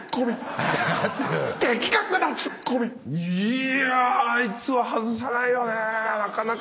いやあいつは外さないよねなかなか。